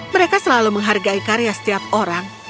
mereka selalu menghargai karya setiap orang